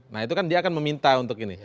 nah itu kan dia akan meminta untuk ini